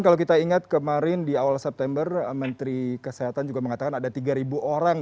kalau kita ingat kemarin di awal september menteri kesehatan juga mengatakan ada tiga orang